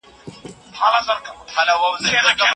په ټولنه کي باید فعال واوسئ.